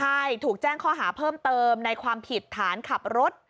ใช่ถูกแจ้งข้อหาเพิ่มเติมในความผิดฐานขับรถ